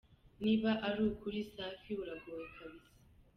Niba ari ukuri safi uragowe kbsa ".